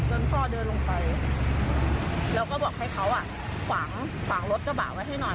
พ่อเดินลงไปแล้วก็บอกให้เขาอ่ะขวางรถกระบะไว้ให้หน่อย